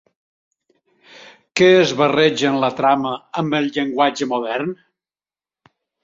Què es barreja en la trama amb el llenguatge modern?